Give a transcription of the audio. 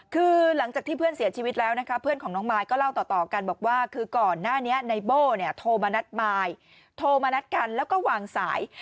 คือหลังจากที่เพื่อนเสียชีวิตแล้วนะคะเพื่อนของน้องมายก็เล่าต่อกันบอกว่าคือก่อนหน้านี้ในโบ้เนี่ยโทรมานัดมายโทรมานัดกันแล้วก็วางสาย